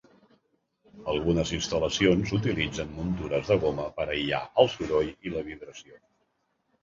Algunes instal·lacions utilitzen muntures de goma per aïllar el soroll i la vibració.